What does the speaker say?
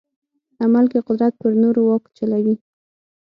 عمل کې قدرت پر نورو واک چلوي.